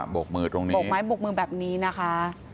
บกมือตรงนี้บกไม้บกมือแบบนี้นะคะ